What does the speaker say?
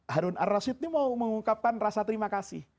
harun ar rashid ini mau mengungkapkan rasa terima kasih